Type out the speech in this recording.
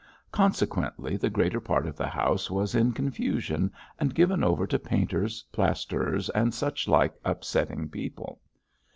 Consequently the greater part of the house was in confusion, and given over to painters, plasterers, and such like upsetting people.